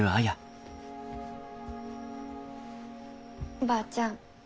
おばあちゃん